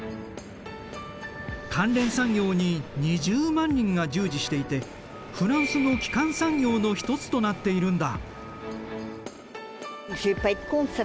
関連産業に２０万人が従事していてフランスの基幹産業の一つとなっているんだ。